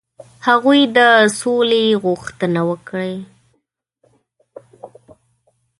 هغوی د سولي غوښتنه وکړي.